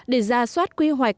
để ra soát quy hoạch